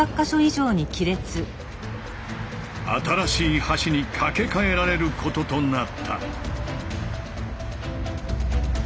新しい橋に架け替えられることとなった。